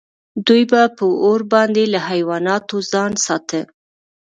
دوی به په اور باندې له حیواناتو ځان ساته.